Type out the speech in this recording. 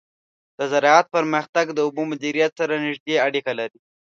د زراعت پرمختګ له اوبو مدیریت سره نږدې اړیکه لري.